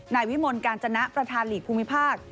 นายวิมลกาญจนะประธานหลีกภูมิภาค